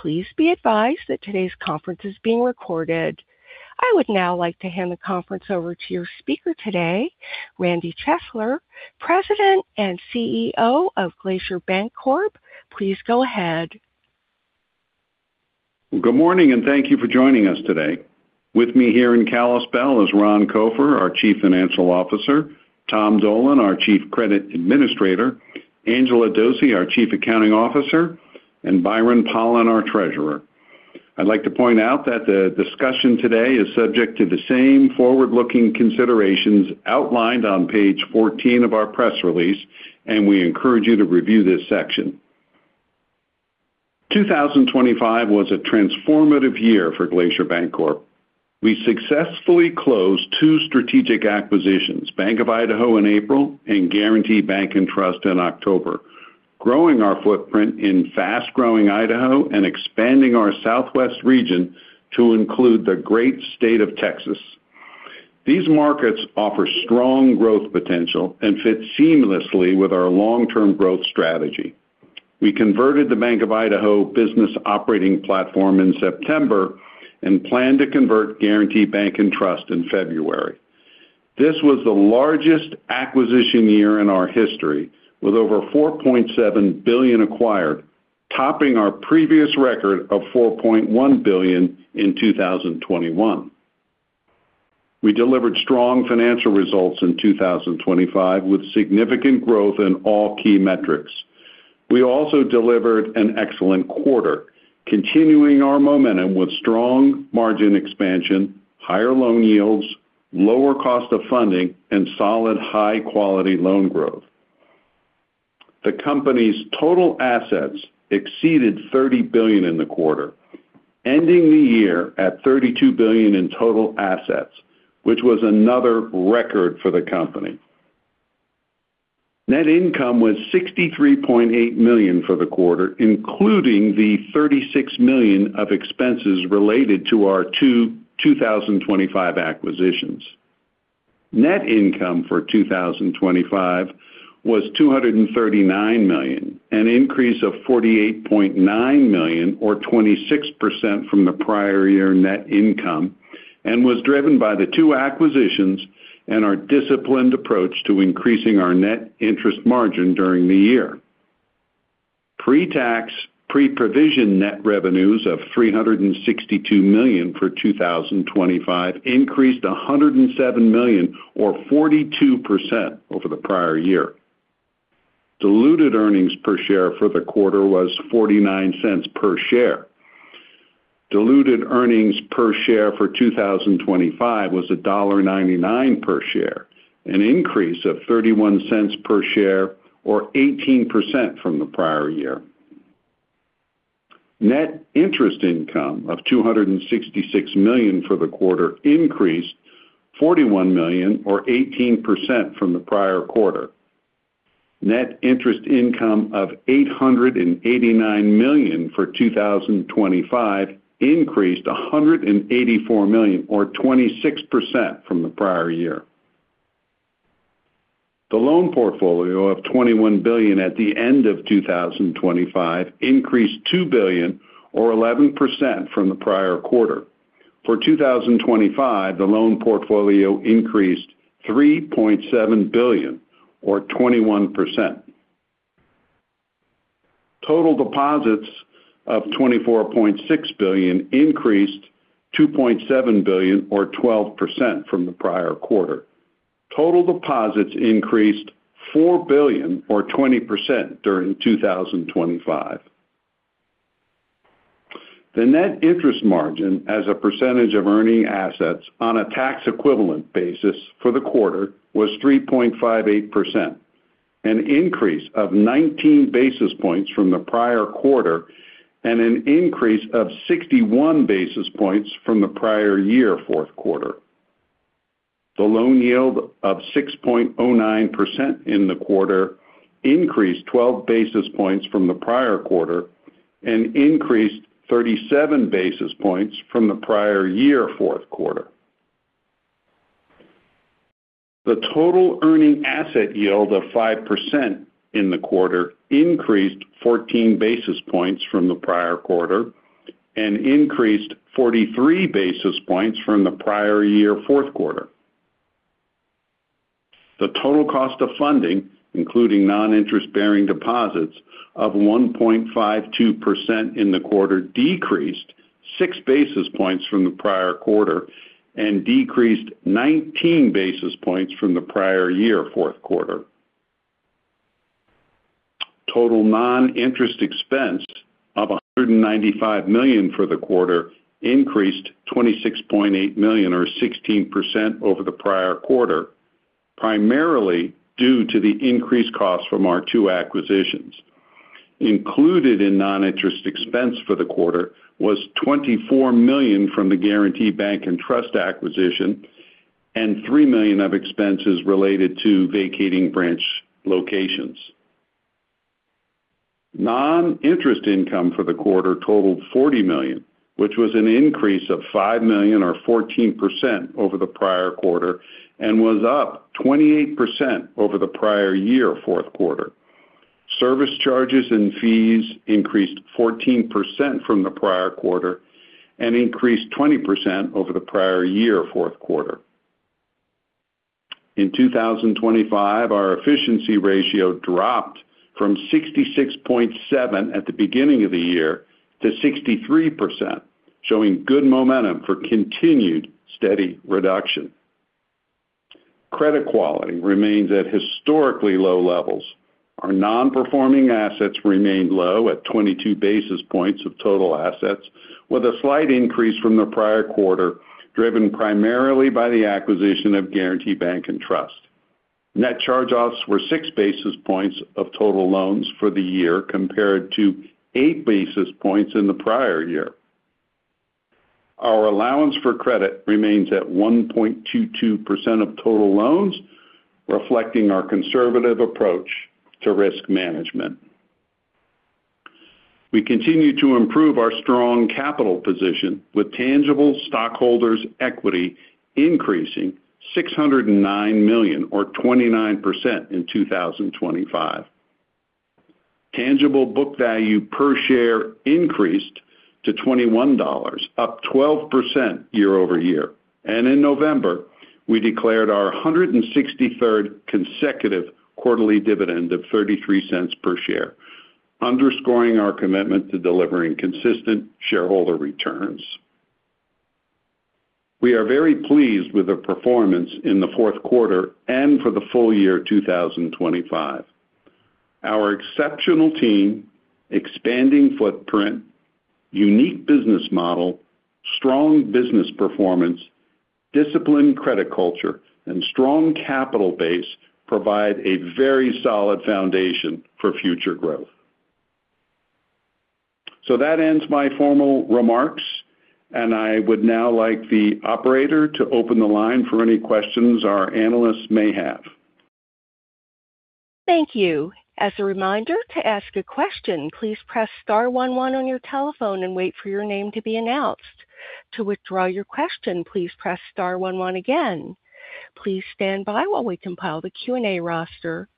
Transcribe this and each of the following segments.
Please be advised that today's conference is being recorded. I would now like to hand the conference over to your speaker today, Randy Chesler, President and CEO of Glacier Bancorp. Please go ahead. Good morning, and thank you for joining us today. With me here in Kalispell is Ron Copher, our Chief Financial Officer, Tom Dolan, our Chief Credit Administrator, Angela Dose, our Chief Accounting Officer, and Byron Pollan, our Treasurer. I'd like to point out that the discussion today is subject to the same forward-looking considerations outlined on page 14 of our press release, and we encourage you to review this section. 2025 was a transformative year for Glacier Bancorp. We successfully closed two strategic acquisitions: Bank of Idaho in April and Guaranty Bank & Trust in October, growing our footprint in fast-growing Idaho and expanding our Southwest region to include the great state of Texas. These markets offer strong growth potential and fit seamlessly with our long-term growth strategy. We converted the Bank of Idaho business operating platform in September and plan to convert Guaranty Bank & Trust in February. This was the largest acquisition year in our history, with over $4.7 billion acquired, topping our previous record of $4.1 billion in 2021. We delivered strong financial results in 2025, with significant growth in all key metrics. We also delivered an excellent quarter, continuing our momentum with strong margin expansion, higher loan yields, lower cost of funding, and solid, high-quality loan growth. The company's total assets exceeded $30 billion in the quarter, ending the year at $32 billion in total assets, which was another record for the company. Net income was $63.8 million for the quarter, including the $36 million of expenses related to our two 2025 acquisitions. Net income for 2025 was $239 million, an increase of $48.9 million, or 26% from the prior year net income, and was driven by the two acquisitions and our disciplined approach to increasing our net interest margin during the year. Pre-tax, pre-provision net revenues of $362 million for 2025 increased $107 million, or 42% over the prior year. Diluted earnings per share for the quarter was $0.49 per share. Diluted earnings per share for 2025 was $1.99 per share, an increase of $0.31 per share, or 18% from the prior year. Net interest income of $266 million for the quarter increased $41 million, or 18% from the prior quarter. Net interest income of $889 million for 2025 increased $184 million, or 26% from the prior year. The loan portfolio of $21 billion at the end of 2025 increased $2 billion, or 11% from the prior quarter. For 2025, the loan portfolio increased $3.7 billion, or 21%. Total deposits of $24.6 billion increased $2.7 billion, or 12% from the prior quarter. Total deposits increased $4 billion, or 20%, during 2025. The net interest margin as a percentage of earning assets on a tax-equivalent basis for the quarter was 3.58%, an increase of 19 basis points from the prior quarter and an increase of 61 basis points from the prior year fourth quarter. The loan yield of 6.09% in the quarter increased 12 basis points from the prior quarter and increased 37 basis points from the prior year fourth quarter. The total earning asset yield of 5% in the quarter increased 14 basis points from the prior quarter and increased 43 basis points from the prior year fourth quarter. The total cost of funding, including non-interest-bearing deposits, of 1.52% in the quarter decreased 6 basis points from the prior quarter and decreased 19 basis points from the prior year fourth quarter. Total non-interest expense of $195 million for the quarter increased $26.8 million, or 16%, over the prior quarter, primarily due to the increased cost from our two acquisitions. Included in non-interest expense for the quarter was $24 million from the Guaranty Bank & Trust acquisition and $3 million of expenses related to vacating branch locations. Non-interest income for the quarter totaled $40 million, which was an increase of $5 million, or 14%, over the prior quarter and was up 28% over the prior year fourth quarter. Service charges and fees increased 14% from the prior quarter and increased 20% over the prior year fourth quarter. In 2025, our efficiency ratio dropped from 66.7% at the beginning of the year to 63%, showing good momentum for continued steady reduction. Credit quality remains at historically low levels. Our non-performing assets remained low at 22 basis points of total assets, with a slight increase from the prior quarter, driven primarily by the acquisition of Guaranty Bank & Trust. Net charge-offs were 6 basis points of total loans for the year, compared to 8 basis points in the prior year. Our allowance for credit remains at 1.22% of total loans, reflecting our conservative approach to risk management. We continue to improve our strong capital position, with tangible stockholders' equity increasing $609 million, or 29%, in 2025. Tangible book value per share increased to $21, up 12% year-over-year. In November, we declared our 163rd consecutive quarterly dividend of $0.33 per share, underscoring our commitment to delivering consistent shareholder returns. We are very pleased with the performance in the fourth quarter and for the full year 2025. Our exceptional team, expanding footprint, unique business model, strong business performance, disciplined credit culture, and strong capital base provide a very solid foundation for future growth. So that ends my formal remarks, and I would now like the operator to open the line for any questions our analysts may have. Thank you. As a reminder, to ask a question, please press star 11 on your telephone and wait for your name to be announced. To withdraw your question, please press star 11 again. Please stand by while we compile the Q&A roster.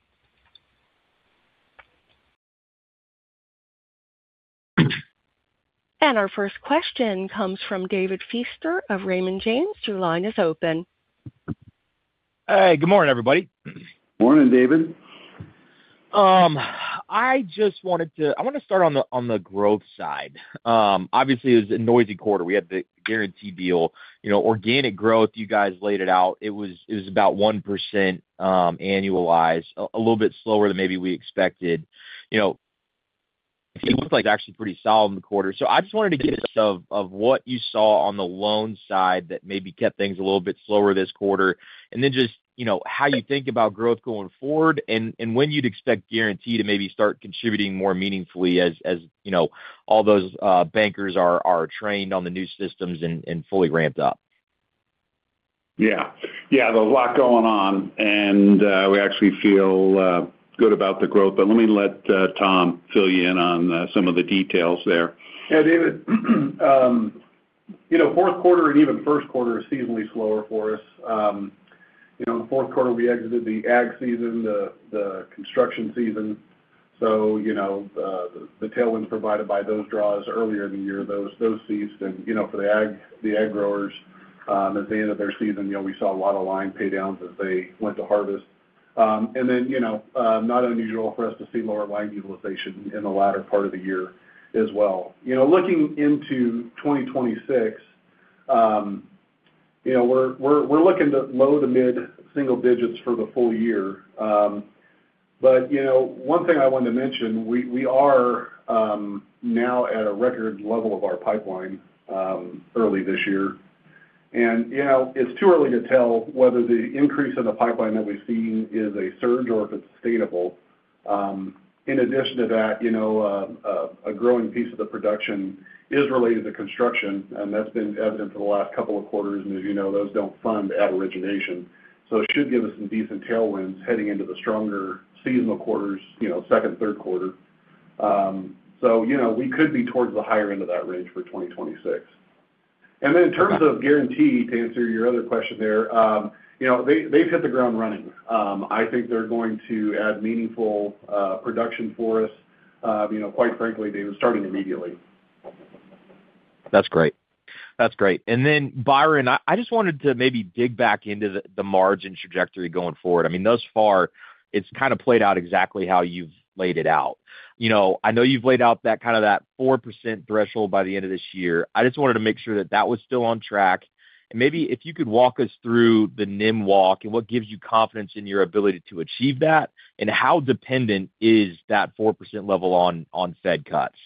Our first question comes from David Feaster of Raymond James. Your line is open. Hey, good morning, everybody. Morning, David. I want to start on the growth side. Obviously, it was a noisy quarter. We had the Guaranty deal. Organic growth, you guys laid it out. It was about 1% annualized, a little bit slower than maybe we expected. It looked like actually pretty solid in the quarter. So I just wanted to get a sense of what you saw on the loan side that maybe kept things a little bit slower this quarter, and then just how you think about growth going forward and when you'd expect Guaranty to maybe start contributing more meaningfully as all those bankers are trained on the new systems and fully ramped up. Yeah. Yeah, there was a lot going on, and we actually feel good about the growth. But let me let Tom fill you in on some of the details there. Yeah, David. Fourth quarter and even first quarter are seasonally slower for us. In the fourth quarter, we exited the ag season, the construction season. So the tailwinds provided by those draws earlier in the year, those seeds for the ag growers at the end of their season, we saw a lot of line paydowns as they went to harvest. And then, not unusual for us to see lower line utilization in the latter part of the year as well. Looking into 2026, we're looking to low- to mid-single digits for the full year. But one thing I wanted to mention, we are now at a record level of our pipeline early this year. And it's too early to tell whether the increase in the pipeline that we've seen is a surge or if it's sustainable. In addition to that, a growing piece of the production is related to construction, and that's been evident for the last couple of quarters. And as you know, those don't fund at origination. So it should give us some decent tailwinds heading into the stronger seasonal quarters, second, third quarter. So we could be towards the higher end of that range for 2026. And then in terms of Guaranty, to answer your other question there, they've hit the ground running. I think they're going to add meaningful production for us. Quite frankly, they were starting immediately. That's great. That's great. And then, Byron, I just wanted to maybe dig back into the margin trajectory going forward. I mean, thus far, it's kind of played out exactly how you've laid it out. I know you've laid out that kind of 4% threshold by the end of this year. I just wanted to make sure that that was still on track. And maybe if you could walk us through the NIM walk and what gives you confidence in your ability to achieve that, and how dependent is that 4% level on Fed cuts?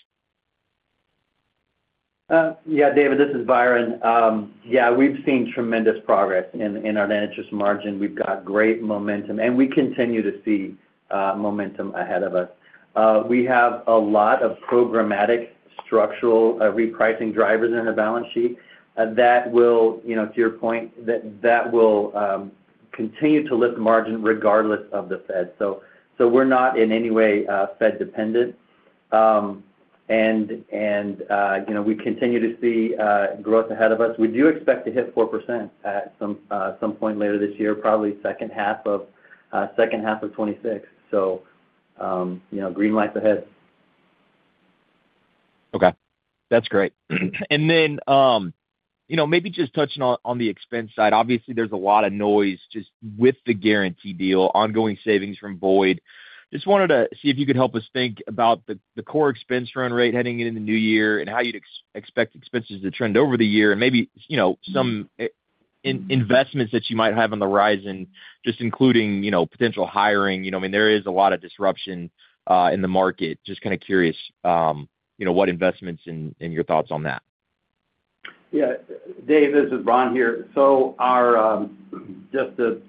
Yeah, David, this is Byron. Yeah, we've seen tremendous progress in our net interest margin. We've got great momentum, and we continue to see momentum ahead of us. We have a lot of programmatic structural repricing drivers in our balance sheet that will, to your point, that will continue to lift margin regardless of the Fed. So we're not in any way Fed-dependent. And we continue to see growth ahead of us. We do expect to hit 4% at some point later this year, probably second half of 2026. So green lights ahead. Okay. That's great. And then maybe just touching on the expense side, obviously, there's a lot of noise just with the Guaranty deal, ongoing savings from Bank of Idaho. Just wanted to see if you could help us think about the core expense run rate heading into the new year and how you'd expect expenses to trend over the year, and maybe some investments that you might have on the horizon, just including potential hiring. I mean, there is a lot of disruption in the market. Just kind of curious what investments and your thoughts on that. Yeah. Dave, this is Ron here. So just to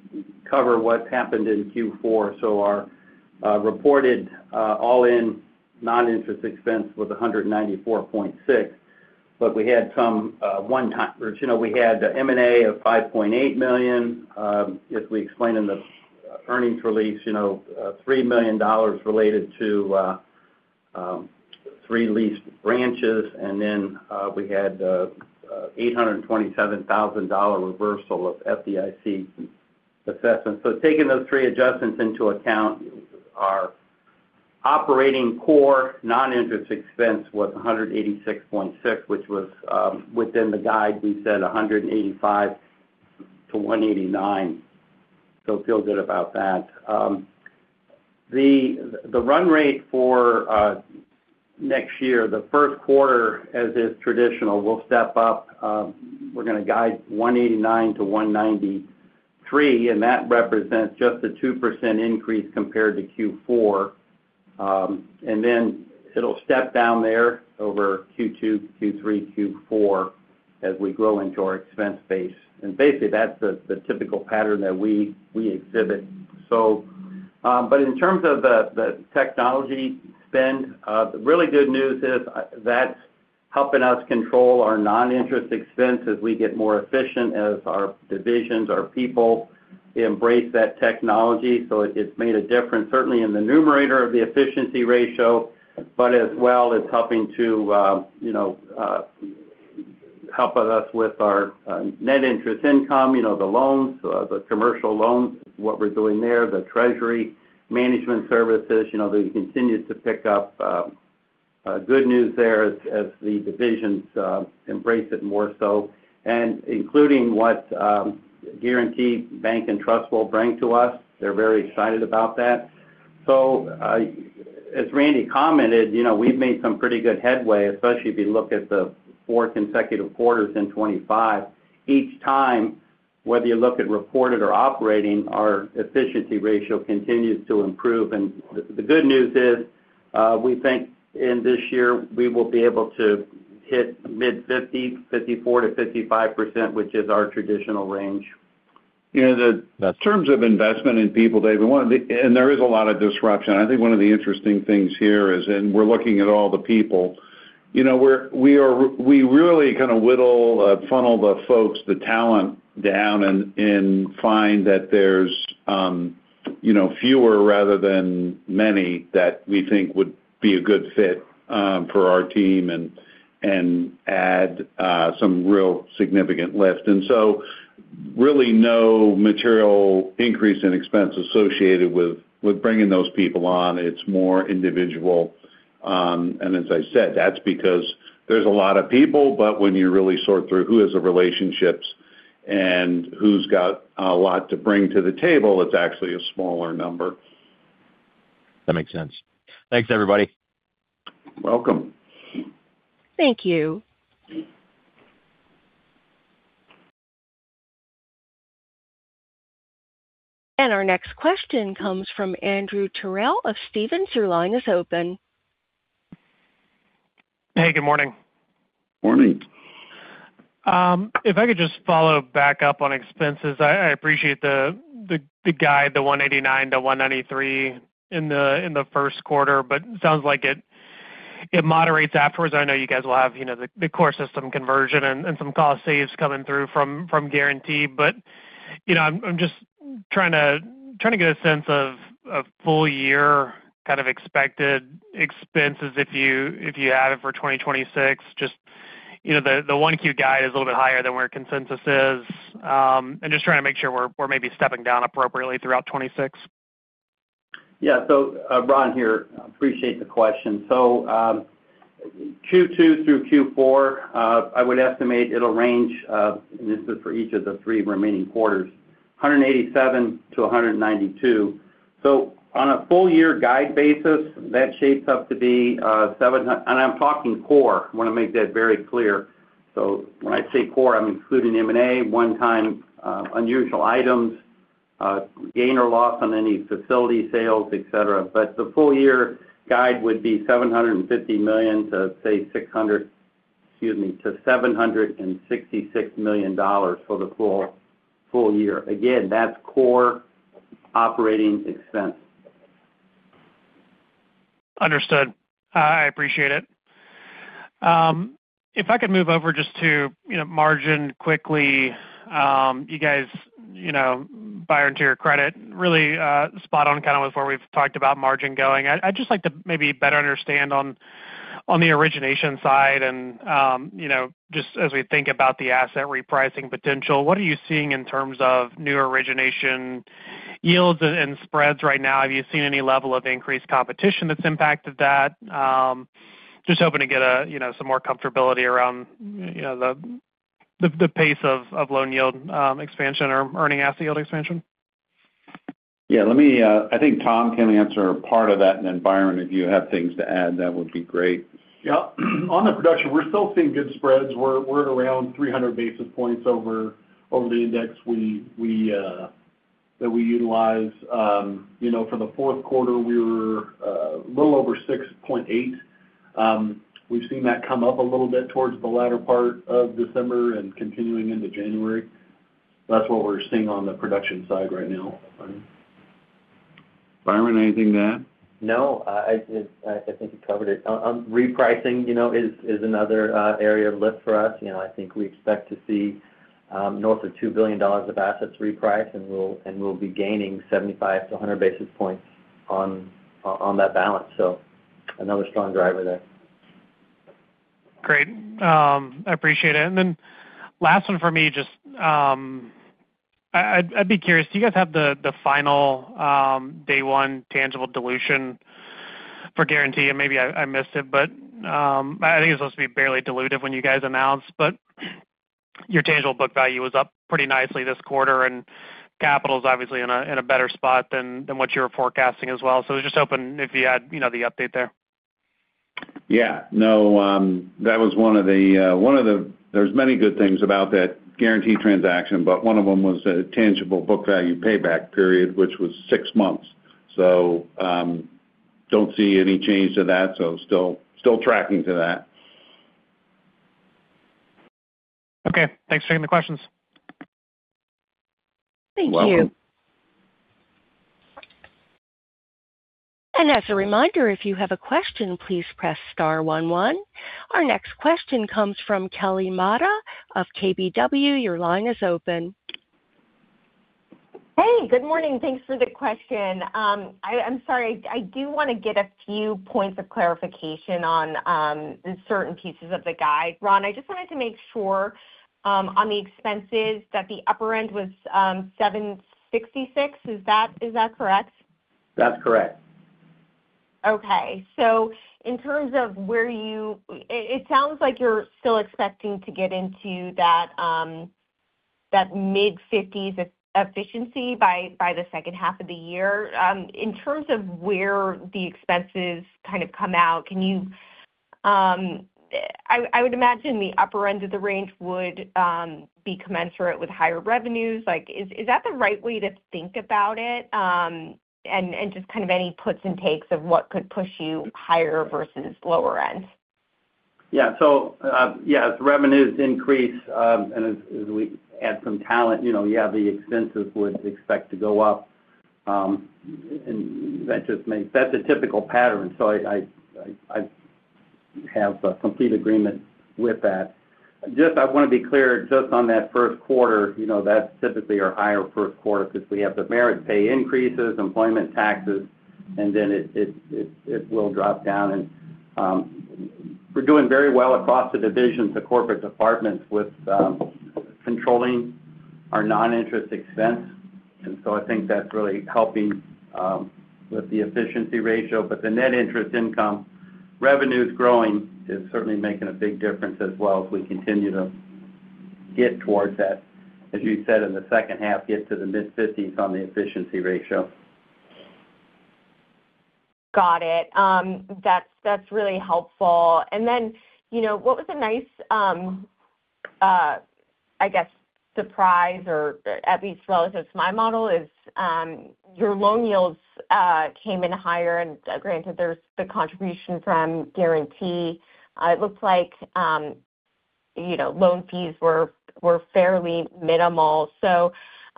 cover what happened in Q4, our reported all-in non-interest expense was $194.6 million, but we had some one-time we had M&A of $5.8 million. As we explained in the earnings release, $3 million related to three leased branches. And then we had a $827,000 reversal of FDIC assessment. So taking those three adjustments into account, our operating core non-interest expense was $186.6 million, which was within the guide we set $185 million -$189 million. So feel good about that. The run rate for next year, the first quarter, as is traditional, will step up. We're going to guide $189 million -$193 million, and that represents just a 2% increase compared to Q4. And then it'll step down there over Q2, Q3, Q4 as we grow into our expense base. And basically, that's the typical pattern that we exhibit. But in terms of the technology spend, the really good news is that's helping us control our non-interest expense as we get more efficient as our divisions, our people embrace that technology. So it's made a difference, certainly in the numerator of the efficiency ratio, but as well as helping to help us with our net interest income, the loans, the commercial loans, what we're doing there, the treasury management services. They continue to pick up. Good news there as the divisions embrace it more so, and including what Guaranty Bank & Trust will bring to us. They're very excited about that. So as Randy commented, we've made some pretty good headway, especially if you look at the four consecutive quarters in 2025. Each time, whether you look at reported or operating, our efficiency ratio continues to improve. The good news is we think in this year we will be able to hit mid-50, 54%-55%, which is our traditional range. In terms of investment in people, David, and there is a lot of disruption. I think one of the interesting things here is, and we're looking at all the people, we really kind of whittle, funnel the folks, the talent down and find that there's fewer rather than many that we think would be a good fit for our team and add some real significant lift. And so really no material increase in expense associated with bringing those people on. It's more individual. And as I said, that's because there's a lot of people, but when you really sort through who has the relationships and who's got a lot to bring to the table, it's actually a smaller number. That makes sense. Thanks, everybody. Welcome. Thank you. And our next question comes from Andrew Terrell of Stephens. Your line is open. Hey, good morning. Morning. If I could just follow back up on expenses, I appreciate the guide, the $189 million -$193 million in the first quarter, but it sounds like it moderates afterwards. I know you guys will have the core system conversion and some cost saves coming through from Guaranty, but I'm just trying to get a sense of full year kind of expected expenses if you have it for 2026. Just the Q1 guide is a little bit higher than where consensus is, and just trying to make sure we're maybe stepping down appropriately throughout 2026. Yeah. So, Ron here. Appreciate the question. So, Q2 through Q4, I would estimate it'll range, and this is for each of the three remaining quarters, $187 million-$192 million. So, on a full year guide basis, that shapes up to be $700 million, and I'm talking core. I want to make that very clear. So, when I say core, I'm including M&A, one-time unusual items, gain or loss on any facility sales, etc. But the full year guide would be $750 million to, say, $600 million, excuse me, to $766 million for the full year. Again, that's core operating expense. Understood. I appreciate it. If I could move over just to margin quickly, you guys, Byron, to your credit, really spot on kind of with where we've talked about margin going. I'd just like to maybe better understand on the origination side and just as we think about the asset repricing potential, what are you seeing in terms of new origination yields and spreads right now? Have you seen any level of increased competition that's impacted that? Just hoping to get some more comfortability around the pace of loan yield expansion or earning asset yield expansion. Yeah. I think Tom can answer part of that, and then Byron, if you have things to add, that would be great. Yeah. On the production, we're still seeing good spreads. We're around 300 basis points over the index that we utilize. For the fourth quarter, we were a little over 6.8. We've seen that come up a little bit towards the latter part of December and continuing into January. That's what we're seeing on the production side right now. Byron, anything to add? No. I think you covered it. Repricing is another area of lift for us. I think we expect to see north of $2 billion of assets repriced, and we'll be gaining 75-100 basis points on that balance. So another strong driver there. Great. I appreciate it. And then last one for me, just I'd be curious, do you guys have the final day one tangible dilution for Guaranty? And maybe I missed it, but I think it's supposed to be barely dilutive when you guys announced, but your tangible book value was up pretty nicely this quarter, and capital is obviously in a better spot than what you were forecasting as well. So I was just hoping if you had the update there. Yeah. No, that was one of the there's many good things about that Guaranty transaction, but one of them was a tangible book value payback period, which was six months. So don't see any change to that. So still tracking to that. Okay. Thanks for taking the questions. Thank you. As a reminder, if you have a question, please press star 11. Our next question comes from Kelly Motta of KBW. Your line is open. Hey, good morning. Thanks for the question. I'm sorry. I do want to get a few points of clarification on certain pieces of the guide. Ron, I just wanted to make sure on the expenses that the upper end was $766. Is that correct? That's correct. Okay. So in terms of where it sounds like you're still expecting to get into that mid-50s% efficiency by the second half of the year. In terms of where the expenses kind of come out, can you? I would imagine the upper end of the range would be commensurate with higher revenues. Is that the right way to think about it? And just kind of any puts and takes of what could push you higher versus lower end? Yeah. So yeah, as revenues increase and as we add some talent, yeah, the expenses would expect to go up. And that's a typical pattern. So I have a complete agreement with that. Just I want to be clear just on that first quarter, that's typically our higher first quarter because we have the merit pay increases, employment taxes, and then it will drop down. And we're doing very well across the divisions to corporate departments with controlling our non-interest expense. And so I think that's really helping with the efficiency ratio. But the net interest income revenue is growing is certainly making a big difference as well as we continue to get towards that, as you said, in the second half, get to the mid-50s on the efficiency ratio. Got it. That's really helpful. And then what was a nice, I guess, surprise, or at least relative to my model, is your loan yields came in higher. And granted, there's the contribution from Guaranty. It looks like loan fees were fairly minimal. So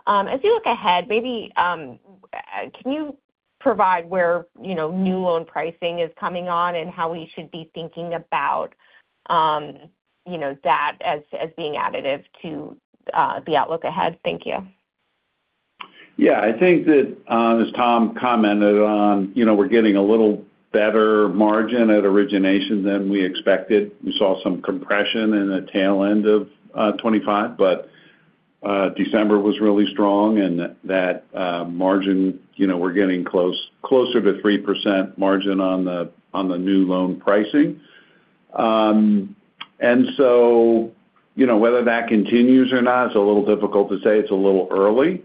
as you look ahead, maybe can you provide where new loan pricing is coming on and how we should be thinking about that as being additive to the outlook ahead? Thank you. Yeah. I think that, as Tom commented on, we're getting a little better margin at origination than we expected. We saw some compression in the tail end of 2025, but December was really strong, and that margin, we're getting closer to 3% margin on the new loan pricing. And so whether that continues or not is a little difficult to say. It's a little early,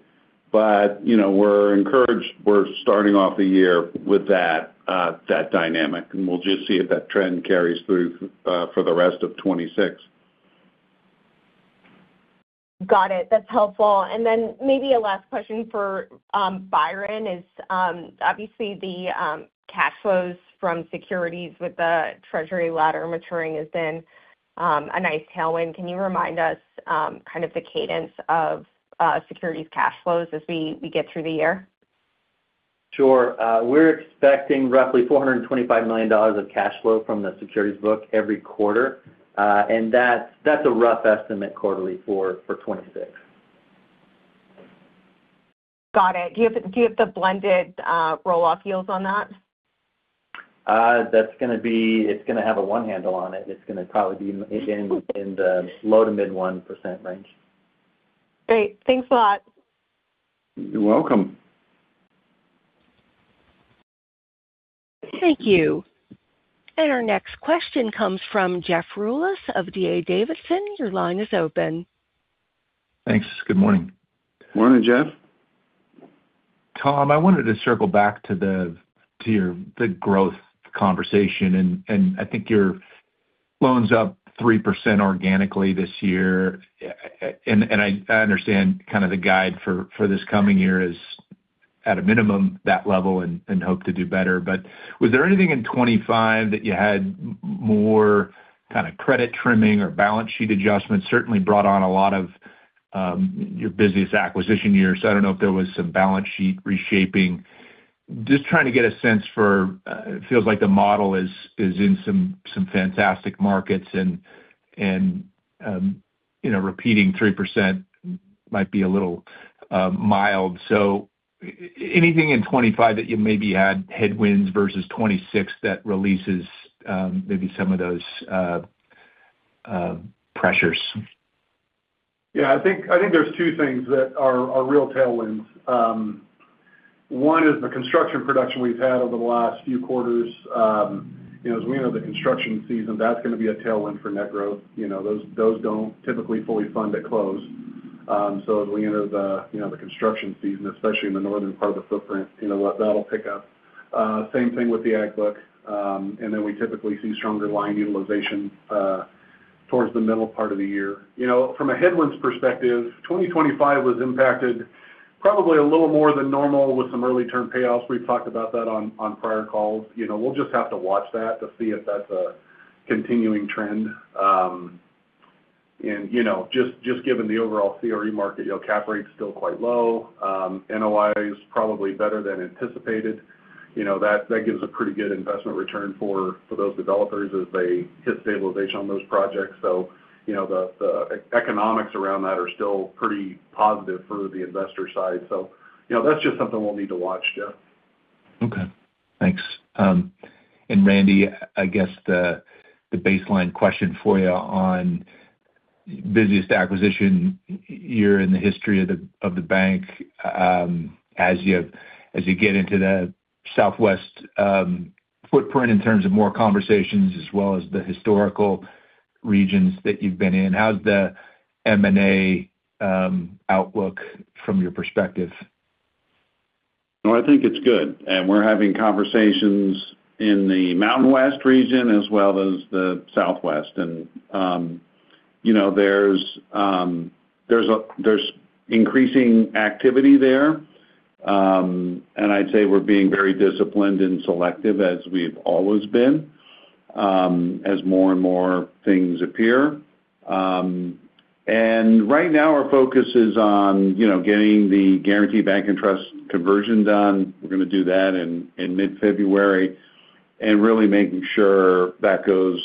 but we're encouraged. We're starting off the year with that dynamic, and we'll just see if that trend carries through for the rest of 2026. Got it. That's helpful. And then maybe a last question for Byron is, obviously, the cash flows from securities with the Treasury ladder maturing has been a nice tailwind. Can you remind us kind of the cadence of securities cash flows as we get through the year? Sure. We're expecting roughly $425 million of cash flow from the securities book every quarter. That's a rough estimate quarterly for 2026. Got it. Do you have the blended roll-off yields on that? That's going to be. It's going to have a 1 handle on it. It's going to probably be in the low to mid-1% range. Great. Thanks a lot. You're welcome. Thank you. Our next question comes from Jeff Rulis of D.A. Davidson. Your line is open. Thanks. Good morning. Morning, Jeff. Tom, I wanted to circle back to the growth conversation. I think your loans up 3% organically this year. I understand kind of the guide for this coming year is at a minimum that level and hope to do better. Was there anything in 2025 that you had more kind of credit trimming or balance sheet adjustments? Certainly brought on a lot of your busiest acquisition year. I don't know if there was some balance sheet reshaping. Just trying to get a sense for it feels like the model is in some fantastic markets, and repeating 3% might be a little mild. Anything in 2025 that you maybe had headwinds versus 2026 that releases maybe some of those pressures? Yeah. I think there are two things that are real tailwinds. One is the construction production we've had over the last few quarters. As we enter the construction season, that's going to be a tailwind for net growth. Those don't typically fully fund at close. So as we enter the construction season, especially in the northern part of the footprint, that'll pick up. Same thing with the ag book. And then we typically see stronger line utilization towards the middle part of the year. From a headwinds perspective, 2025 was impacted probably a little more than normal with some early-term payouts. We've talked about that on prior calls. We'll just have to watch that to see if that's a continuing trend. And just given the overall CRE market, cap rate's still quite low. NOI is probably better than anticipated. That gives a pretty good investment return for those developers as they hit stabilization on those projects. So the economics around that are still pretty positive for the investor side. So that's just something we'll need to watch, Jeff. Okay. Thanks. And Randy, I guess the baseline question for you on busiest acquisition year in the history of the bank as you get into the Southwest footprint in terms of more conversations as well as the historical regions that you've been in. How's the M&A outlook from your perspective? No, I think it's good. We're having conversations in the Mountain West region as well as the Southwest. There's increasing activity there. I'd say we're being very disciplined and selective as we've always been as more and more things appear. Right now, our focus is on getting the Guaranty Bank & Trust conversion done. We're going to do that in mid-February and really making sure that goes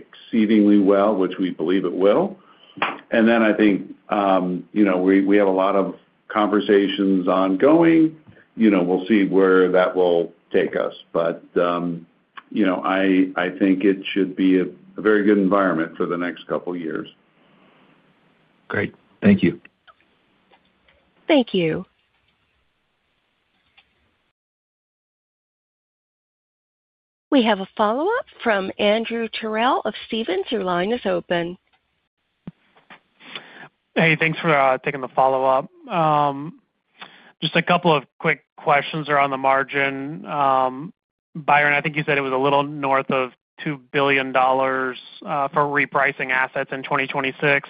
exceedingly well, which we believe it will. Then I think we have a lot of conversations ongoing. We'll see where that will take us. But I think it should be a very good environment for the next couple of years. Great. Thank you. Thank you. We have a follow-up from Andrew Terrell of Stephens. Your line is open. Hey, thanks for taking the follow-up. Just a couple of quick questions around the margin. Byron, I think you said it was a little north of $2 billion for repricing assets in 2026.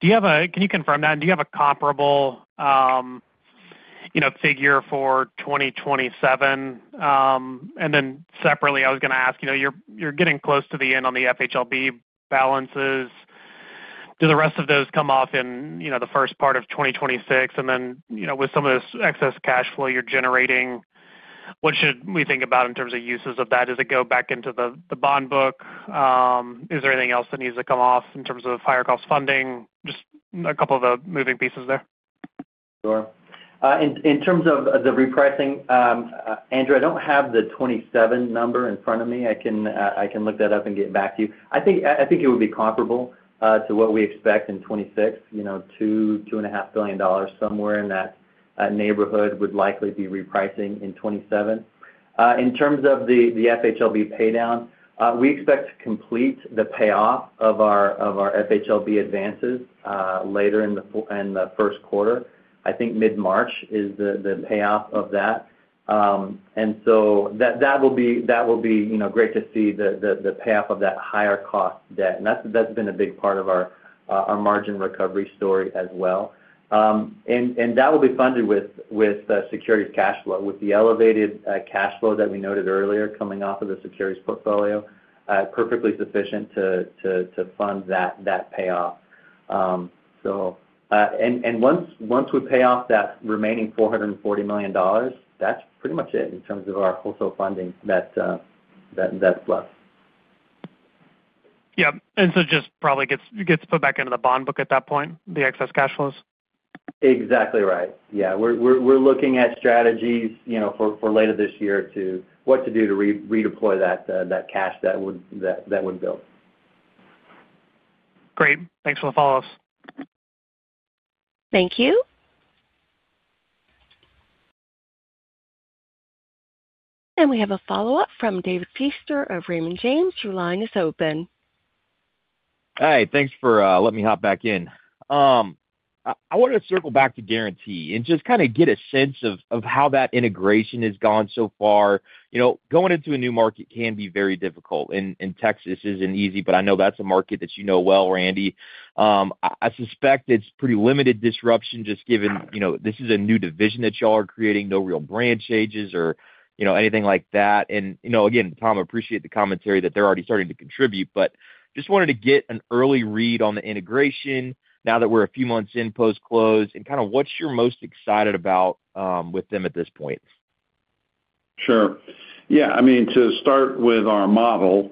Can you confirm that? And do you have a comparable figure for 2027? And then separately, I was going to ask, you're getting close to the end on the FHLB balances. Do the rest of those come off in the first part of 2026? And then with some of this excess cash flow you're generating, what should we think about in terms of uses of that? Does it go back into the bond book? Is there anything else that needs to come off in terms of higher-cost funding? Just a couple of the moving pieces there. Sure. In terms of the repricing, Andrew, I don't have the 2027 number in front of me. I can look that up and get back to you. I think it would be comparable to what we expect in 2026. $2.5 billion somewhere in that neighborhood would likely be repricing in 2027. In terms of the FHLB paydown, we expect to complete the payoff of our FHLB advances later in the first quarter. I think mid-March is the payoff of that. And so that will be great to see the payoff of that higher-cost debt. And that's been a big part of our margin recovery story as well. And that will be funded with securities cash flow, with the elevated cash flow that we noted earlier coming off of the securities portfolio, perfectly sufficient to fund that payoff. Once we pay off that remaining $440 million, that's pretty much it in terms of our wholesale funding that's left. Yeah. And so it just probably gets put back into the bond book at that point, the excess cash flows? Exactly right. Yeah. We're looking at strategies for later this year to what to do to redeploy that cash that would build. Great. Thanks for the follow-ups. Thank you. And we have a follow-up from David Feaster of Raymond James. Your line is open. Hi. Thanks for letting me hop back in. I wanted to circle back to Guaranty and just kind of get a sense of how that integration has gone so far. Going into a new market can be very difficult. And Texas isn't easy, but I know that's a market that you know well, Randy. I suspect it's pretty limited disruption just given this is a new division that y'all are creating, no real branch changes or anything like that. And again, Tom, I appreciate the commentary that they're already starting to contribute, but just wanted to get an early read on the integration now that we're a few months in post-close and kind of what you're most excited about with them at this point. Sure. Yeah. I mean, to start with our model,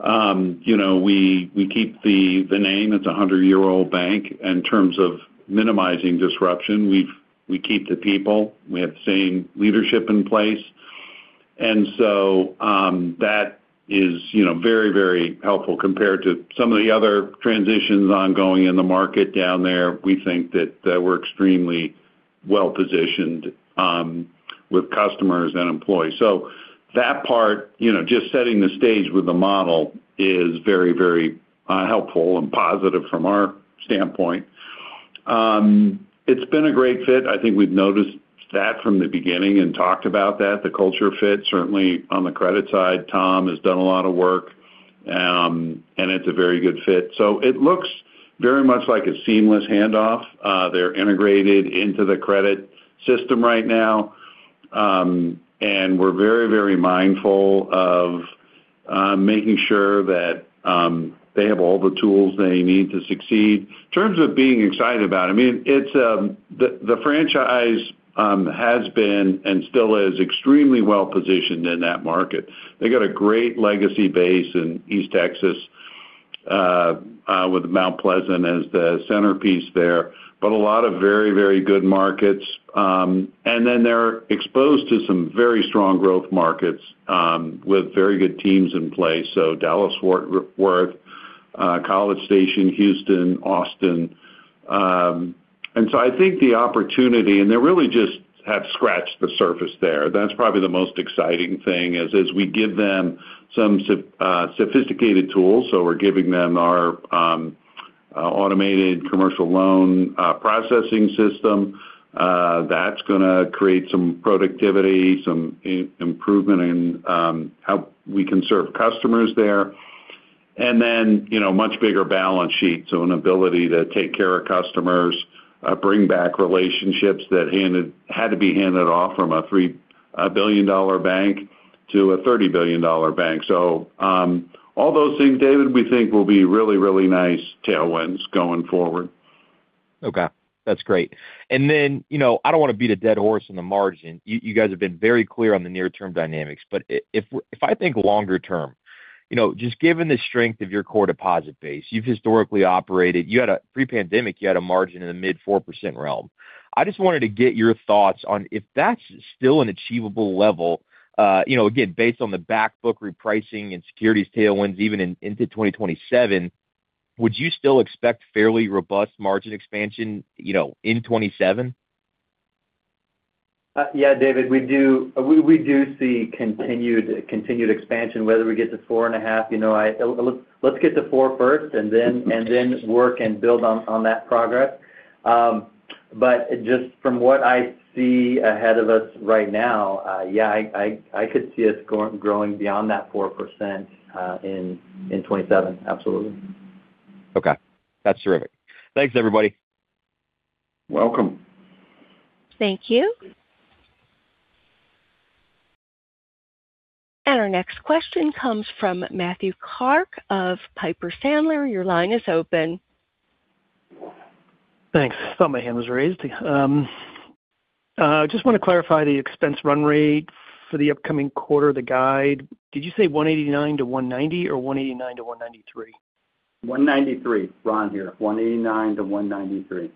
we keep the name. It's a 100-year-old bank. In terms of minimizing disruption, we keep the people. We have the same leadership in place. And so that is very, very helpful compared to some of the other transitions ongoing in the market down there. We think that we're extremely well-positioned with customers and employees. So that part, just setting the stage with the model is very, very helpful and positive from our standpoint. It's been a great fit. I think we've noticed that from the beginning and talked about that. The culture fit certainly on the credit side. Tom has done a lot of work, and it's a very good fit. So it looks very much like a seamless handoff. They're integrated into the credit system right now. We're very, very mindful of making sure that they have all the tools they need to succeed. In terms of being excited about it, I mean, the franchise has been and still is extremely well-positioned in that market. They've got a great legacy base in East Texas with Mount Pleasant as the centerpiece there, but a lot of very, very good markets. And then they're exposed to some very strong growth markets with very good teams in place. So Dallas-Fort Worth, College Station, Houston, Austin. And so I think the opportunity, and they really just have scratched the surface there. That's probably the most exciting thing is as we give them some sophisticated tools. So we're giving them our automated commercial loan processing system. That's going to create some productivity, some improvement in how we can serve customers there. And then much bigger balance sheets, so an ability to take care of customers, bring back relationships that had to be handed off from a $3 billion bank to a $30 billion bank. So all those things, David, we think will be really, really nice tailwinds going forward. Okay. That's great. And then I don't want to beat a dead horse in the margin. You guys have been very clear on the near-term dynamics. But if I think longer term, just given the strength of your core deposit base, you've historically operated. Pre-pandemic, you had a margin in the mid-4% realm. I just wanted to get your thoughts on if that's still an achievable level. Again, based on the backbook repricing and securities tailwinds even into 2027, would you still expect fairly robust margin expansion in 2027? Yeah, David, we do see continued expansion. Whether we get to 4.5, let's get to four first and then work and build on that progress. But just from what I see ahead of us right now, yeah, I could see us growing beyond that 4% in 2027. Absolutely. Okay. That's terrific. Thanks, everybody. Welcome. Thank you. And our next question comes from Matthew Clark of Piper Sandler. Your line is open. Thanks. I thought my hand was raised. Just want to clarify the expense run rate for the upcoming quarter, the guide. Did you say $189-$190 or $189 million-$193 million? $193 million. Ron here. $189 million-$193million.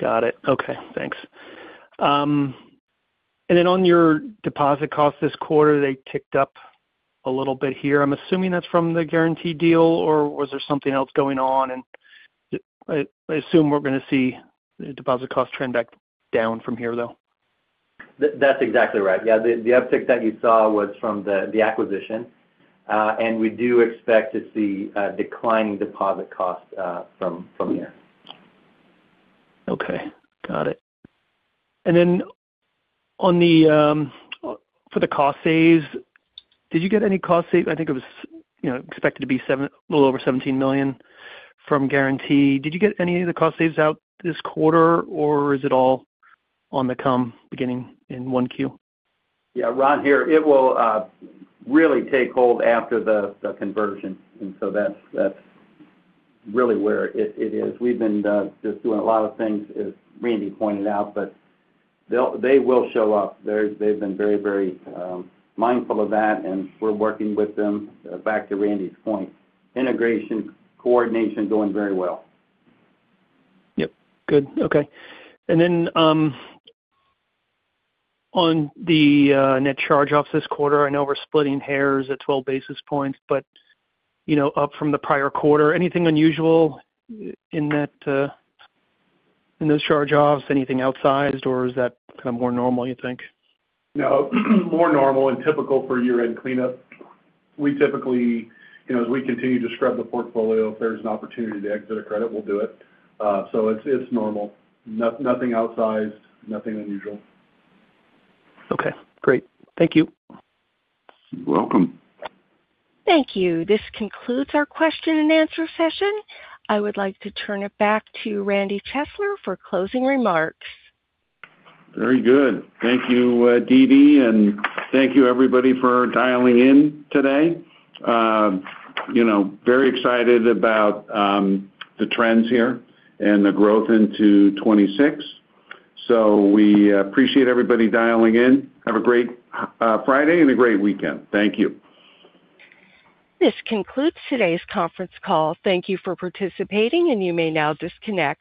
Got it. Okay. Thanks. And then on your deposit costs this quarter, they ticked up a little bit here. I'm assuming that's from the Guaranty deal, or was there something else going on? And I assume we're going to see the deposit costs trend back down from here, though. That's exactly right. Yeah. The uptick that you saw was from the acquisition. And we do expect to see declining deposit costs from here. Okay. Got it. And then for the cost saves, did you get any cost saves? I think it was expected to be a little over $17 million from Guaranty. Did you get any of the cost saves out this quarter, or is it all on the come beginning in 1Q? Yeah. Ron here. It will really take hold after the conversion. And so that's really where it is. We've been just doing a lot of things, as Randy pointed out, but they will show up. They've been very, very mindful of that. And we're working with them. Back to Randy's point, integration coordination going very well. Yep. Good. Okay. And then on the net charge-offs this quarter, I know we're splitting hairs at 12 basis points, but up from the prior quarter, anything unusual in those charge-offs? Anything outsized, or is that kind of more normal, you think? No. More normal and typical for year-end cleanup. We typically, as we continue to scrub the portfolio, if there's an opportunity to exit a credit, we'll do it. So it's normal. Nothing outsized, nothing unusual. Okay. Great. Thank you. You're welcome. Thank you. This concludes our question and answer session. I would like to turn it back to Randy Chesler for closing remarks. Very good. Thank you, DV, and thank you, everybody, for dialing in today. Very excited about the trends here and the growth into 2026. So we appreciate everybody dialing in. Have a great Friday and a great weekend. Thank you. This concludes today's conference call. Thank you for participating, and you may now disconnect.